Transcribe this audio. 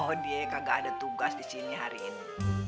oh dia kagak ada tugas di sini hari ini